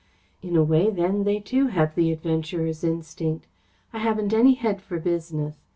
"In a way then, they too have the adventurer's instinct. I haven't any head for business.